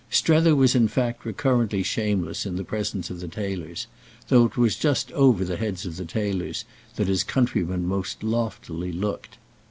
Strether was in fact recurrently shameless in the presence of the tailors, though it was just over the heads of the tailors that his countryman most loftily looked.